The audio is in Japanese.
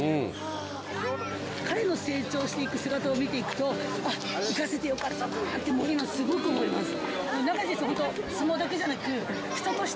彼の成長していく姿を見ていくと行かせてよかったなって今すごく思います。